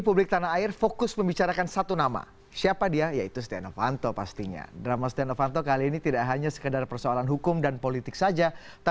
reinhard sirain cnn indonesia